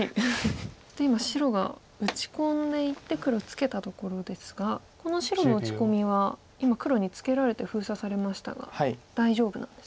そして今白が打ち込んでいって黒ツケたところですがこの白の打ち込みは今黒にツケられて封鎖されましたが大丈夫なんですか？